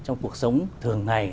trong cuộc sống thường ngày